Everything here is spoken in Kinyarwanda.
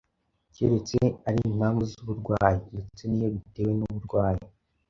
keretse ari impamvu z’uburwayi. Ndetse n’iyo bitewe n’uburwayi,